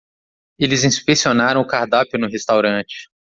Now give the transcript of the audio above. Eles inspecionaram o cardápio no restaurante.